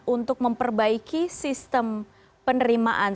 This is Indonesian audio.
untuk memperbaiki sistem penerimaan